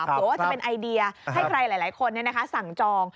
ก็จะเป็นไอเดียให้ใครหลายคนสั่งจอง